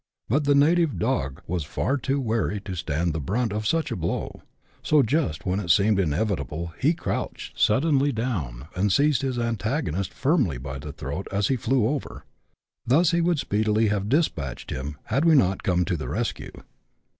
But the native dog CHAP. XI.] BUSINESS MINGLED WITH PLEASURE. 117 was far too wary to stand the brunt of such a blow ; so, just when it seemed inevitable, he crouched suddenly down, and seized his antagonist firmly by the throat as he flew over. Thus he would speedily have despatched him, had we not come to the rescue.